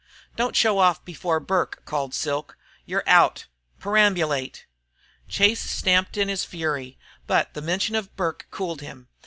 "Don't show off before Burke," called Silk. "You're out! Perambulate!" Chase stamped in his fury, but the mention of Burke cooled him.